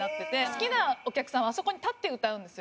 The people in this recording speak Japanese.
好きなお客さんはあそこに立って歌うんですよ。